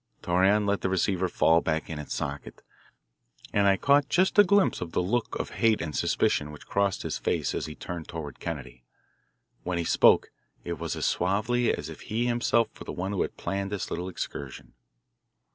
Torreon let the receiver fall back in its socket, and I caught just a glimpse of the look of hate and suspicion which crossed his face as he turned toward Kennedy. When he spoke it was as suavely as if he himself were the one who had planned this little excursion.